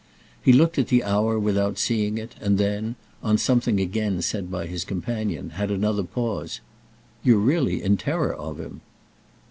He looked at the hour without seeing it, and then, on something again said by his companion, had another pause. "You're really in terror of him."